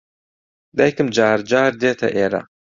دایکم جار جار دێتە ئێرە.